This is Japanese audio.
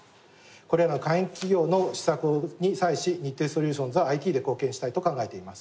これら会員企業の施策に際し日鉄ソリューションズはＩＴで貢献したいと考えています。